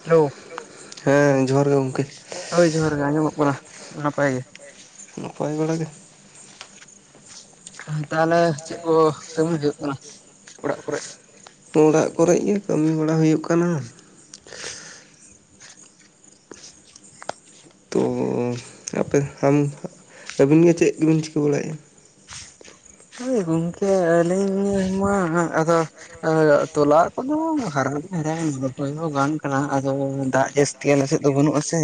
Hello, ᱦᱮᱸ ᱡᱚᱦᱟᱨ ᱜᱮ ᱜᱚᱢᱠᱮ᱾ ᱦᱳᱭ ᱡᱚᱦᱟᱨ ᱜᱮ ᱟᱸᱡᱚᱢᱚᱜ ᱠᱟᱱᱟ ᱱᱟᱯᱟᱭ ᱜᱮ᱾ ᱱᱟᱯᱟᱭ ᱵᱟᱲᱟ ᱜᱮ᱾ ᱛᱟᱦᱚᱞᱮ ᱪᱮᱫ ᱠᱚ ᱠᱟᱹᱢᱤ ᱦᱩᱭᱩᱜ ᱠᱟᱱᱟ ᱚᱲᱟᱜ ᱠᱚᱨᱮ? ᱚᱲᱟᱜ ᱠᱚᱨᱮ ᱜᱮ ᱠᱟᱹᱢᱤ ᱵᱟᱲᱟ ᱦᱩᱭᱩᱜ ᱠᱟᱱᱟ᱾ ᱛᱚ ᱟᱯᱮ ᱟᱢ ᱟᱹᱵᱤᱱ ᱜᱮ ᱪᱮᱫᱵᱤᱱ ᱪᱤᱠᱟᱹ ᱵᱟᱲᱟᱭᱮᱫ-ᱟ? ᱳᱭ ᱜᱚᱝᱠᱮ ᱟᱹᱞᱤᱧᱢᱟ ᱟᱫᱚ ᱛᱚᱞᱟ ᱠᱚᱫᱚ ᱦᱟᱨᱟ ᱫᱚ ᱦᱟᱨᱟ ᱨᱚᱦᱚᱭ ᱦᱚᱸ ᱜᱟᱱ ᱠᱟᱱᱟ ᱟᱫᱚ ᱫᱟᱜ ᱡᱟᱹᱥᱛᱤ [unintelligible] ᱟᱞᱮ ᱥᱮᱫ ᱫᱚ ᱵᱟᱹᱱᱩᱜ ᱟᱥᱮ,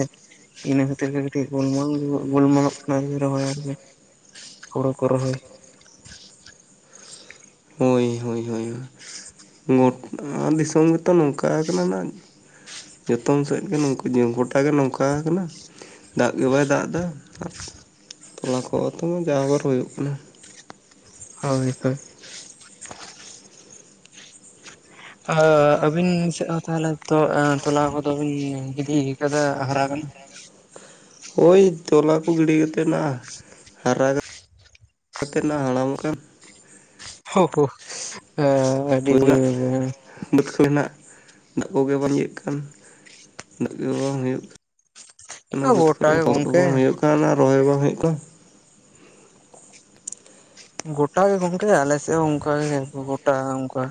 ᱤᱱᱟᱹ ᱠᱷᱟᱹᱛᱤᱨ ᱜᱮ ᱠᱟᱹᱴᱤᱡ ᱜᱳᱞᱢᱟᱞ ᱜᱳᱞᱢᱟᱞᱚᱜ ᱠᱟᱱᱟ ᱨᱚᱦᱚᱭ ᱟᱨᱠᱤ᱾ ᱦᱩᱲᱩ ᱠᱚ ᱨᱚᱦᱚᱭ, ᱦᱩᱭ ᱦᱩᱭ ᱦᱩᱭ [unintelligible] ᱱᱚᱣᱟ ᱫᱤᱥᱚᱢ ᱜᱮᱛᱚ ᱱᱚᱝᱠᱟ ᱠᱟᱱᱟ ᱱᱟᱜ, ᱡᱚᱛᱚᱢ ᱥᱮᱫ ᱜᱮ ᱱᱩᱝᱠᱩ ᱜᱚᱴᱟ ᱜᱮ ᱱᱚᱝᱠᱟ ᱟᱠᱟᱱᱟ᱾ ᱫᱟᱜ ᱜᱮ ᱵᱟᱭ ᱫᱟᱜ ᱮᱫᱟ ᱟᱨ ᱛᱚᱞᱟ ᱠᱚ ᱛᱚᱢᱟ ᱡᱟ ᱦᱚᱵᱟᱨ ᱦᱩᱭᱩᱜ ᱠᱟᱱᱟ᱾ ᱦᱳᱭ ᱦᱳᱭ᱾ ᱟᱹᱵᱤᱱ ᱥᱮᱫ ᱦᱚᱸ ᱛᱟᱦᱚᱞᱮ ᱛᱚᱞᱟ ᱠᱚᱫᱚ ᱵᱤᱱ ᱜᱤᱰᱤ ᱠᱟᱫᱟ ᱦᱟᱨᱟ ᱠᱟᱱᱟ? ᱦᱳᱭ ᱛᱚᱞᱟ ᱠᱚ ᱜᱤᱰᱤ ᱠᱟᱛᱮᱫ ᱱᱟᱜ ᱦᱟᱨᱟ ᱠᱟᱛᱮ ᱱᱟᱜ ᱦᱟᱲᱟᱢᱚᱜ ᱠᱟᱱ᱾ [unintelligible] ᱟᱹᱰᱤ ᱵᱟᱹᱫᱽ ᱠᱚ ᱠᱚᱨᱮᱱᱟᱜ ᱫᱟᱜ ᱠᱚᱜᱮ ᱵᱟᱝ ᱟᱸᱡᱮᱫ ᱠᱟᱱ ᱫᱟᱜ ᱜᱮ ᱵᱟᱝ ᱦᱩᱭᱩᱜ ᱠᱟᱱ, ᱚᱱᱟ ᱵᱟᱹᱫᱽ ᱜᱚᱴᱟ ᱜᱮ [inaudible] ᱜᱚᱝᱠᱮ ᱵᱟᱝ ᱦᱩᱭᱩᱜ ᱠᱟᱱᱟ ᱨᱚᱦᱚᱭ ᱦᱚᱸ ᱵᱟᱝ ᱦᱩᱭᱩᱜ ᱠᱟᱱ ᱜᱚᱴᱟ ᱜᱮ ᱜᱚᱝᱠᱮ ᱟᱞᱮ ᱥᱮ ᱦᱚᱸ ᱚᱱᱠᱟ ᱜᱮ ᱜᱚᱴᱟ ᱚᱱᱠᱟ,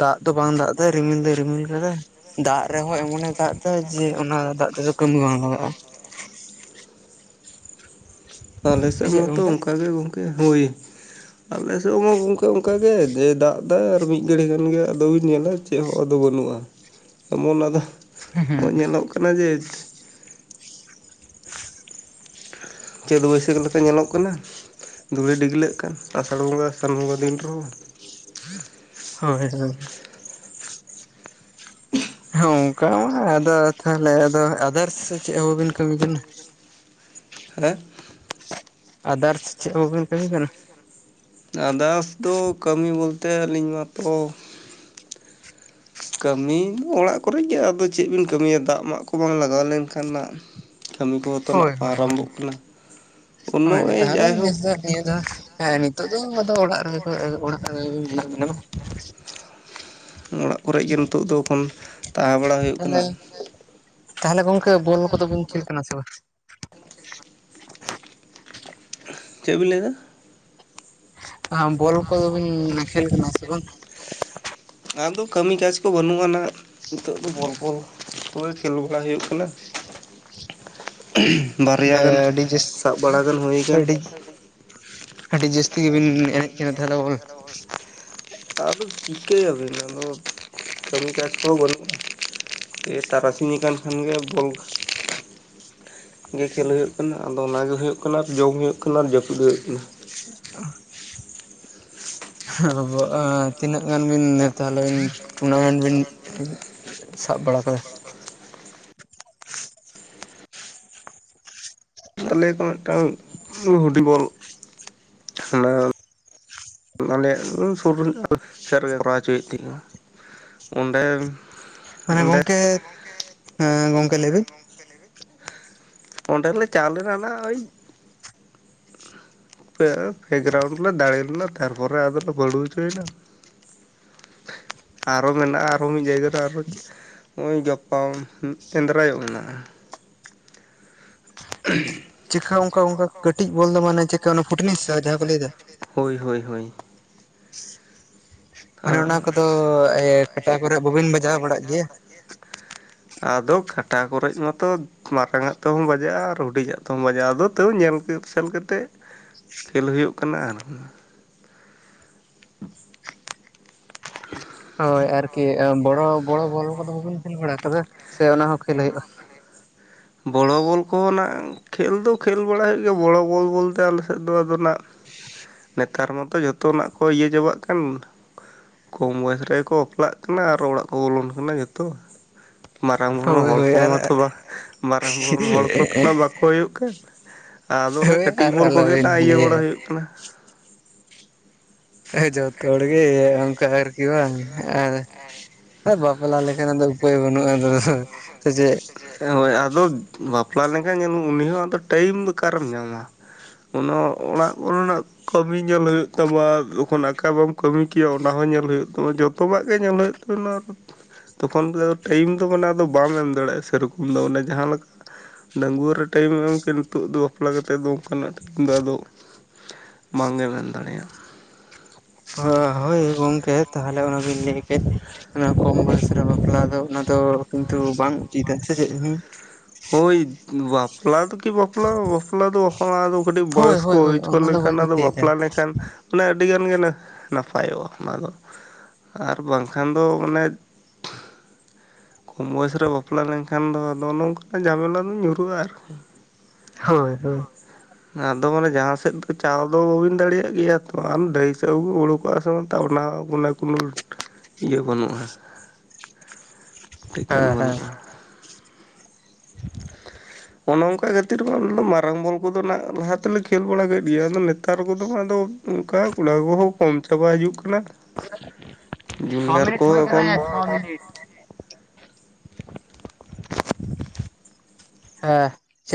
ᱫᱟᱜ ᱫᱚ ᱵᱟᱝ ᱫᱟᱜ ᱫᱟᱭ ᱨᱤᱢᱤᱞ ᱫᱚᱭ ᱨᱤᱢᱤᱞ ᱠᱟᱫᱟᱭ ᱫᱟᱜ ᱨᱮᱦᱚᱸ ᱮᱢᱚᱱᱮ ᱫᱟᱜ ᱫᱟ ᱡᱮ ᱚᱱᱟ ᱫᱟᱜ ᱛᱮᱫᱚ ᱠᱟᱹᱢᱤ ᱵᱟᱝ ᱞᱟᱜᱟᱜ-ᱟ᱾ ᱟᱞᱮ ᱥᱮ ᱥᱮᱫ ᱪᱮᱫ ᱢᱟᱛᱚ ᱜᱚᱝᱠᱮ ᱦᱩᱸ ᱚᱱᱠᱟᱜ ᱜᱮ ᱜᱚᱝᱠᱮ ᱦᱳᱭ, ᱟᱞᱮ ᱥᱮᱫ ᱢᱟ ᱜᱚᱢᱠᱮ ᱚᱱᱠᱟ ᱜᱮ ᱡᱮ ᱫᱟᱜ ᱫᱟ ᱟᱨ ᱢᱤᱫ ᱜᱷᱟᱹᱲᱤᱡ ᱠᱟᱱᱜᱮ ᱟᱫᱚ ᱵᱤᱧ ᱧᱮᱞᱟ ᱪᱮᱫ ᱦᱚᱸ ᱟᱫᱚ ᱵᱟᱹᱱᱩᱜ-ᱟ ᱮᱢᱚᱱ ᱟᱫᱚ ᱧᱮᱞᱚᱜ ᱠᱟᱱᱟ ᱡᱮ [unintelligible] ᱪᱟᱹᱛ ᱵᱟᱹᱭᱥᱟᱹᱠᱷ ᱞᱮᱠᱟ ᱧᱮᱞᱚᱜ ᱠᱟᱱᱟ ᱫᱩᱲᱤ ᱰᱤᱜᱽᱞᱟᱹᱜ ᱠᱟᱱ ᱟᱸᱥᱟᱲ ᱵᱚᱸᱜᱟ ᱥᱟᱱ ᱵᱚᱸᱜᱟ ᱫᱤᱱ ᱨᱮᱦᱚᱸ᱾ ᱦᱳᱭ ᱦᱳᱭ᱾ ᱦᱮᱸ ᱚᱝᱠᱟ ᱢᱟ ᱟᱫᱚ ᱛᱟᱦᱚᱞᱮ ᱟᱫᱚ ᱟᱫᱟᱨᱥ [inaudible] ᱪᱮᱫ ᱦᱚᱸ ᱵᱟᱵᱤᱱ ᱠᱟᱹᱢᱤ ᱠᱟᱱᱟ? [unintelligible] ᱟᱫᱟᱨᱥ ᱪᱮᱫ ᱦᱚᱸ ᱵᱟᱵᱤᱱ ᱠᱟᱹᱢᱤ ᱠᱟᱱᱟ? ᱟᱫᱟᱥ ᱫᱚ ᱠᱟᱹᱢᱤ ᱵᱚᱞᱛᱮ ᱟᱹᱞᱤᱧ ᱢᱟᱛᱚ ᱠᱟᱹᱢᱤ ᱫᱚ ᱚᱲᱟᱜ ᱠᱚᱨᱮ ᱜᱮ ᱟᱫᱚ ᱪᱮᱫ ᱵᱤᱱ ᱠᱟᱹᱢᱤᱭᱟ ᱫᱟᱜ ᱢᱟᱜ ᱠᱚ ᱵᱟᱝ ᱞᱟᱜᱟᱣ ᱞᱮᱱᱠᱷᱟᱱ ᱱᱟᱜ᱾ ᱠᱟᱹᱢᱤ ᱠᱚ ᱢᱟᱛᱚ ᱱᱟᱜ ᱦᱳᱭ ᱦᱳᱭ ᱦᱳᱭ ᱟᱨᱚᱢᱵᱚᱜ ᱠᱟᱱᱟ, ᱦᱳᱭ [unintelligible] ᱛᱟᱦᱚᱞᱮ ᱡᱟᱭᱦᱳᱠ ᱱᱮᱥ ᱫᱚ ᱱᱤᱭᱟᱹ ᱫᱷᱟᱣ, ᱦᱮᱸ ᱱᱤᱛᱚᱜ ᱫᱚ ᱟᱫᱚ ᱚᱲᱟᱜ ᱨᱮᱜᱮ ᱠᱚ ᱚᱲᱟᱜ ᱨᱮ ᱢᱮᱱᱟᱜ ᱵᱤᱱᱟ ᱵᱟᱝ? [inaudible] ᱦᱩᱸ ᱚᱲᱟᱜ ᱠᱚᱨᱮᱡ ᱜᱮ ᱱᱤᱛᱚᱜ ᱫᱚ ᱮᱠᱷᱚᱱ, ᱛᱟᱦᱮᱸ ᱵᱟᱲᱟ ᱦᱩᱭᱩᱜ ᱛᱟᱦᱚᱞᱮ ᱠᱟᱱᱟ᱾ ᱛᱟᱦᱚᱞᱮ ᱜᱚᱝᱠᱮ ᱵᱚᱞ ᱠᱚᱫᱚ ᱵᱤᱱ ᱠᱷᱮᱞ ᱠᱟᱱᱟ ᱥᱮ ᱵᱟᱝ? ᱪᱮᱫ ᱵᱤᱱ ᱞᱟᱹᱭᱫᱟ? ᱟ ᱦᱟᱸᱜ ᱵᱚᱞ ᱠᱚᱫᱚ ᱵᱤᱱ ᱠᱷᱮᱞ ᱠᱟᱱᱟ ᱥᱮ ᱵᱟᱝ? ᱟᱫᱚ ᱠᱟᱹᱢᱤ ᱠᱟᱡᱽ ᱠᱚ ᱵᱟᱹᱱᱩᱜ-ᱟ ᱱᱟᱜ ᱱᱤᱛᱳᱜ ᱫᱚ ᱵᱚᱞ ᱠᱚᱞ ᱠᱚᱜᱮ ᱠᱷᱮᱞ ᱵᱟᱲᱟ ᱦᱩᱭᱩᱜ ᱠᱟᱱᱟ᱾ ᱵᱟᱨᱮᱭᱟ ᱛᱟᱦᱚᱞᱮ ᱜᱟᱱ ᱟᱹᱰᱤ ᱡᱟᱹᱥ ᱥᱟᱵ ᱵᱟᱲᱟ ᱜᱟᱱ ᱦᱩᱭ ᱠᱟᱱ᱾ ᱟᱹᱰᱤ ᱟᱹᱰᱤ ᱡᱟᱹᱥᱛᱤ ᱜᱮᱵᱤᱱ ᱮᱱᱮᱡ ᱠᱟᱱᱟ ᱛᱟᱦᱚᱞᱮ ᱵᱚᱞ? ᱟᱫᱚ ᱪᱤᱠᱟᱹᱭᱟᱵᱤᱱ ᱟᱫᱚ, ᱠᱟᱹᱢᱤ ᱠᱟᱡᱽ ᱠᱚᱦᱚᱸ ᱵᱟᱹᱱᱩᱜ᱾ ᱛᱮ ᱛᱟᱨᱟᱥᱤᱧ ᱟᱠᱟᱱ ᱠᱷᱟᱱ ᱜᱮ ᱵᱚᱞ ᱜᱮ ᱠᱷᱮᱞ ᱦᱩᱭᱩᱜ ᱠᱟᱱᱟ, ᱟᱫᱚ ᱚᱱᱟ ᱜᱮ ᱦᱩᱭᱩᱜ ᱠᱟᱱᱟ ᱟᱨ ᱡᱚᱢ ᱦᱩᱭᱩᱜ ᱠᱟᱱᱟ, ᱟᱨ ᱡᱟᱹᱯᱩᱫ ᱜᱮ ᱦᱩᱭᱩᱜ ᱠᱟᱱᱟ᱾ [inaudible] [inaudible] ᱛᱤᱱᱟᱹᱜ ᱜᱟᱱ ᱵᱤᱱ ᱛᱟᱦᱚᱞᱮ ᱴᱩᱨᱱᱟᱢᱮᱱᱴ ᱵᱤᱱ [inaudible] ᱥᱟᱵ ᱵᱟᱲᱟ ᱟᱠᱟᱫᱟ? ᱟᱞᱮ ᱠᱚ ᱢᱤᱫᱴᱟᱝ ᱦᱩᱰᱤᱧ ᱵᱚᱞ, ᱦᱟᱱᱟ ᱢᱟᱱᱮ ᱟᱞᱮ ᱥᱩᱨ ᱥᱮᱫ ᱨᱮᱜᱮ ᱠᱚᱨᱟᱣ ᱦᱚᱪᱚᱭᱮᱫ ᱛᱟᱦᱮᱸᱜᱼᱟ᱾ ᱚᱸᱰᱮ ᱢᱟᱱᱮ ᱚᱸᱰᱮ ᱜᱚᱝᱠᱮ, ᱦᱮᱸ ᱜᱚᱝᱠᱮ ᱞᱟᱹᱭ ᱵᱤᱱ᱾ ᱚᱸᱰᱮ ᱞᱮ ᱪᱟᱣᱞᱮ ᱞᱮᱱᱟ ᱳᱭ [unintelligible] ᱯᱮ, ᱯᱮ ᱜᱨᱟᱣᱩᱱᱰ ᱞᱮ ᱫᱟᱲᱮ ᱞᱮᱱᱟ ᱛᱟᱨᱯᱚᱨᱮ ᱟᱫᱚᱞᱮ ᱵᱟᱹᱲᱩ ᱦᱚᱪᱚᱭᱮᱱᱟ᱾ ᱟᱨᱚ ᱢᱮᱱᱟᱜᱼᱟ ᱟᱨᱚᱸ ᱢᱤᱫ ᱡᱟᱭᱜᱟ ᱨᱮ ᱟᱨᱚ ᱦᱚᱸᱜᱼᱚᱭ ᱜᱟᱯᱟ, ᱮᱸᱫᱽᱨᱟᱭᱚᱜ ᱢᱮᱱᱟᱜᱼᱟ᱾ ᱪᱮᱠᱟ ᱚᱝᱠᱟ ᱚᱝᱠᱟ ᱠᱟᱹᱴᱤᱡ ᱵᱚᱞ ᱫᱚ ᱢᱟᱱᱮ ᱪᱮᱠᱟ ᱚᱱᱟ ᱯᱷᱩᱴᱱᱤᱥ ᱡᱟᱦᱟᱸ ᱠᱚ ᱞᱟᱹᱭ ᱮᱫᱟ? ᱦᱳᱭ ᱦᱳᱭ ᱦᱳᱭ᱾ ᱢᱟᱱᱮ ᱚᱱᱟ ᱛᱟᱦᱚᱞᱮ ᱠᱚᱫᱚ ᱠᱟᱴᱟ ᱮᱭ ᱠᱚᱨᱮ ᱵᱟᱹᱵᱤᱱ ᱵᱟᱡᱟᱣ ᱵᱟᱲᱟᱜ ᱜᱮᱭᱟ? ᱟᱫᱚ ᱠᱟᱴᱟ ᱠᱚᱨᱮᱡ ᱢᱟᱛᱚ ᱢᱟᱨᱟᱝ ᱟᱜ ᱛᱮᱦᱚᱸᱢ ᱵᱟᱡᱟᱜᱼᱟ, ᱟᱨ ᱦᱩᱰᱤᱧ ᱟᱜ ᱛᱮᱦᱚᱸᱢ ᱵᱟᱡᱟᱜᱼᱟ ᱟᱫᱚ ᱛᱟᱹᱣ ᱧᱮᱞ ᱥᱮᱱ ᱠᱟᱛᱮᱫ ᱠᱷᱮᱞ ᱦᱳᱭᱳᱜ ᱠᱟᱱᱟ ᱟᱨᱠᱤ᱾ [inaudible] ᱦᱳᱭ ᱟᱨᱠᱤ ᱵᱚᱲᱚ ᱵᱚᱲᱚ ᱵᱚᱞ ᱠᱚᱫᱚ ᱵᱟᱵᱤᱱ ᱠᱷᱮᱞ ᱵᱟᱲᱟ ᱟᱠᱟᱫᱟ? ᱥᱮ ᱚᱱᱟ ᱦᱚᱸ ᱚᱝᱠᱟ ᱜᱮ᱾ [unintelligible] ᱵᱚᱲᱚ ᱵᱚᱞ ᱠᱚᱦᱚᱸ ᱱᱟᱜ, ᱠᱷᱮᱞ ᱫᱚ ᱠᱷᱮᱞ ᱵᱟᱲᱟ ᱦᱳᱭᱳᱜ ᱜᱮᱭᱟ, ᱵᱚᱲᱚ ᱵᱚᱞ ᱵᱚᱞᱛᱮ ᱟᱞᱮ ᱥᱮᱫ ᱫᱚ ᱟᱫᱚ ᱱᱟᱜ ᱱᱮᱛᱟᱨ ᱢᱟᱛᱚ ᱡᱷᱚᱛᱚᱱᱟᱜ ᱠᱚ ᱤᱭᱟᱹ ᱪᱟᱵᱟᱜ ᱠᱟᱱ, ᱠᱚᱢ ᱵᱚᱭᱮᱥ ᱨᱮᱜᱮ ᱠᱚ ᱵᱟᱯᱞᱟᱜ ᱠᱟᱱᱟ ᱟᱨ ᱚᱲᱟᱜ ᱠᱚ ᱵᱚᱞᱚᱱ ᱠᱟᱱᱟ ᱡᱚᱛᱚ, ᱢᱟᱨᱟᱝ ᱵᱚᱨᱚᱱ ᱦᱳᱭ ᱦᱚᱲ ᱦᱳᱭ ᱠᱚᱦᱚᱸ ᱟᱨ ᱢᱟᱛᱚ ᱵᱟᱝ ᱢᱟᱨᱟᱝ ᱜᱚᱲ ᱦᱚᱲ ᱠᱚᱛᱚ ᱱᱟᱜ ᱵᱟᱠᱚ ᱦᱩᱭᱩᱜ ᱠᱟᱱ᱾ ᱟᱫᱚ ᱚᱱᱮ ᱦᱳᱭ ᱠᱟᱹᱴᱤᱡ ᱟᱨ ᱵᱚᱞ ᱠᱚᱜᱮ ᱟᱞᱚᱵᱤᱱ ᱱᱟᱜ ᱤᱭᱟᱹ ᱵᱟᱲᱟ ᱞᱟᱹᱭᱟ ᱦᱩᱭᱩᱜ ᱠᱟᱱᱟ᱾ ᱡᱚᱛᱚ ᱦᱚᱲ ᱜᱮ ᱚᱝᱠᱟ ᱟᱨᱠᱤ ᱵᱟᱝᱼᱼ ᱦᱮ ᱵᱟᱯᱞᱟ ᱞᱮᱠᱷᱟᱱ ᱟᱫᱚ ᱩᱯᱟᱹᱭ ᱵᱟᱹᱱᱩᱜᱼᱟ ᱟᱫᱚ ᱥᱮ ᱪᱮᱜ? ᱦᱳᱭ ᱟᱫᱚ ᱵᱟᱯᱞᱟ ᱞᱮᱝᱼᱠᱷᱟᱱ ᱧᱮᱞ ᱩᱱᱤ ᱦᱚᱸ ᱟᱫᱚ ᱴᱟᱭᱤᱢ ᱫᱚ ᱚᱠᱟᱨᱮᱢ ᱧᱟᱢᱟ? ᱚᱱᱳ ᱚᱲᱟᱜ ᱠᱚᱨᱮᱱᱟᱜ ᱠᱟᱹᱢᱤ ᱧᱮᱞ ᱦᱩᱭᱩᱜ ᱛᱟᱢᱟ ᱡᱚᱠᱷᱚᱱ ᱟᱠᱟ ᱵᱟᱢᱼᱼ ᱠᱟᱹᱢᱤ ᱠᱤᱭᱟ ᱚᱱᱟ ᱦᱚᱸ ᱧᱮᱞ ᱦᱩᱭᱩᱜ ᱛᱟᱢᱟ ᱡᱚᱛᱚᱟᱜ ᱜᱮ ᱧᱮᱞ ᱦᱳᱭᱳᱜ ᱛᱟᱵᱚᱱᱟ᱾ ᱛᱚ ᱠᱷᱚᱱ ᱛᱮᱫᱚ ᱟᱫᱚ ᱴᱟᱭᱤᱢ ᱫᱚ ᱢᱟᱱᱮ ᱟᱫᱚ ᱵᱟᱢ ᱮᱢ ᱫᱟᱲᱮᱭᱟᱜᱼᱟ ᱥᱮᱨᱚᱠᱚᱢ ᱫᱚ ᱚᱱᱮ ᱡᱟᱦᱟᱸ ᱞᱮᱠᱟ᱾ ᱰᱟᱜᱩᱣᱟᱹ ᱨᱮ ᱴᱟᱭᱤᱢ ᱮᱢ ᱠᱮ ᱱᱤᱛᱚᱜ ᱫᱚ ᱵᱟᱯᱞᱟ ᱠᱟᱛᱮᱜ ᱫᱚ ᱚᱝᱠᱟᱱᱟᱜ ᱴᱟᱭᱤᱢ ᱫᱚ ᱟᱫᱚᱼᱼ ᱵᱟᱝ ᱜᱮᱢ ᱮᱢ ᱫᱟᱲᱮᱭᱟᱜᱼᱟ᱾ ᱦᱳ ᱦᱳᱭ ᱜᱚᱝᱠᱮ ᱛᱟᱦᱚᱞᱮ ᱚᱱᱟᱜᱤᱧ ᱞᱮᱭ ᱠᱮᱫ᱾ ᱚᱱᱟ ᱠᱚᱢ ᱵᱚᱭᱮᱥ ᱨᱮ ᱵᱟᱯᱞᱟ ᱫᱚ ᱚᱱᱟ ᱫᱚ ᱠᱤᱱᱛᱩ ᱵᱟᱝ ᱩᱪᱤᱛᱟ ᱥᱮ ᱪᱮᱫ ᱦᱩᱢ ᱦᱳᱭ ᱵᱟᱯᱞᱟ ᱫᱚ ᱠᱤ ᱵᱟᱯᱞᱟ ᱵᱟᱯᱞᱟ ᱫᱚ ᱵᱟᱠᱚ ᱢᱟᱱᱟ ᱫᱚᱼᱼ ᱠᱟᱹᱴᱤᱡ ᱵᱚᱭᱚᱥ ᱠᱚ ᱦᱳᱭ ᱦᱚᱪᱚ ᱚᱱᱟ ᱫᱚ ᱞᱮᱝᱠᱷᱟᱱ ᱵᱟᱹᱧ ᱟᱫᱚ ᱞᱟᱹᱭᱫᱟ ᱵᱟᱯᱞᱟ ᱞᱮᱱ ᱠᱷᱟᱱᱼᱼ ᱢᱟᱱᱮ ᱟᱹᱰᱤ ᱜᱟᱱ ᱜᱮᱱᱮ ᱱᱟᱯᱟᱭᱚᱜᱼᱟ ᱚᱱᱟ ᱫᱚ᱾ ᱟᱨ ᱵᱟᱝ ᱠᱷᱟᱱ ᱫᱚ ᱢᱟᱱᱮᱼᱼ ᱠᱚᱢ ᱵᱚᱭᱮᱥ ᱨᱮ ᱵᱟᱯᱞᱟ ᱞᱮᱱᱴᱝᱠᱷᱟᱱ ᱫᱚ ᱟᱫᱚ ᱚᱱᱝᱼᱼ ᱡᱷᱟ ᱢᱮᱞᱟ ᱨᱮᱢ ᱧᱩᱨᱩᱦᱩᱜᱼᱟ ᱟᱨᱼᱼ ᱦᱳᱭ ᱦᱳᱭ ᱟᱫᱚ ᱢᱟᱱᱮ ᱡᱟᱦᱟᱸ ᱥᱮᱫ ᱫᱚ ᱪᱟᱞᱥ ᱫᱚ ᱵᱟᱹᱵᱤᱱ ᱫᱟᱲᱮᱭᱟᱜ ᱜᱮᱭᱟ ᱛᱚ ᱟᱞ ᱰᱟᱹᱦᱤ ᱥᱮᱜ ᱦᱚᱸ ᱩᱲᱩᱠᱼᱼ ᱵᱚᱭᱮᱥ ᱢᱮᱱᱛᱟ ᱚᱱᱟ ᱢᱟᱱᱮ ᱠᱳᱱᱳ ᱤᱭᱟᱹ ᱵᱟᱹᱱᱩᱜᱼᱟ᱾ [inaudible] ᱴᱤᱠᱟᱹᱱ ᱦᱮᱸ ᱵᱟᱹᱱᱩᱜᱼᱟ᱾ ᱚᱱᱚᱼᱚᱝᱠᱟ ᱡᱷᱟᱹᱛᱤᱨ ᱢᱟ ᱟᱞᱮ ᱫᱚ ᱢᱟᱨᱟᱝ ᱵᱚᱞ ᱠᱚᱫᱚ ᱱᱟᱜ ᱞᱟᱦᱟ ᱛᱮᱞᱮ ᱠᱷᱮᱞ ᱵᱟᱲᱟ ᱠᱮᱫ ᱜᱮᱭᱟ ᱟᱫᱚ ᱱᱮᱛᱟᱨ ᱠᱚᱫᱚ ᱢᱟ ᱟᱫᱚᱼᱼ ᱚᱝᱠᱟ ᱠᱚᱲᱟ ᱠᱚᱦᱚᱸ ᱠᱚᱢ ᱪᱟᱵᱟ ᱦᱤᱡᱩᱜ ᱠᱟᱱᱟ᱾ ᱪᱷᱚ ᱡᱩᱱᱤᱭᱟᱨ ᱢᱤᱱᱤᱴ ᱦᱩᱭ ᱠᱚᱦᱚᱸ ᱟᱠᱟᱱᱟ ᱮᱠᱷᱚᱱ ᱭᱟ ᱪᱷᱚ ᱢᱤᱱᱤᱴ ᱦᱮᱸᱼᱼ